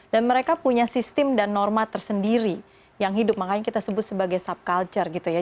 dan mereka punya sistem dan norma tersendiri yang hidup makanya kita sebut sebagai subculture gitu ya